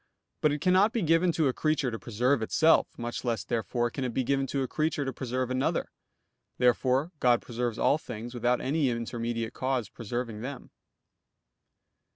But it cannot be given to a creature to preserve itself; much less therefore can it be given to a creature to preserve another. Therefore God preserves all things without any intermediate cause preserving them.